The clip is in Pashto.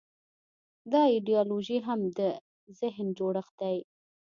دا ایدیالوژي هم د ذهن جوړښت دی.